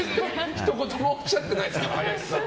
ひと言もおっしゃってないから林さん。